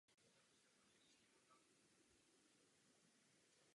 Propustnost membrány je míra pasivní difuze molekul membránou.